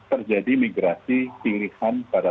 terjadi migrasi pilihan pada